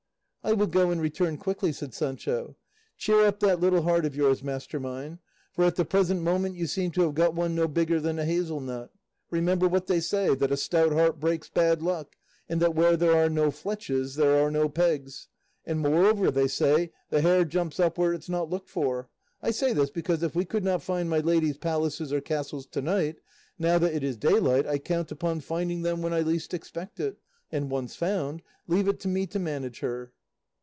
"I will go and return quickly," said Sancho; "cheer up that little heart of yours, master mine, for at the present moment you seem to have got one no bigger than a hazel nut; remember what they say, that a stout heart breaks bad luck, and that where there are no fletches there are no pegs; and moreover they say, the hare jumps up where it's not looked for. I say this because, if we could not find my lady's palaces or castles to night, now that it is daylight I count upon finding them when I least expect it, and once found, leave it to me to manage her."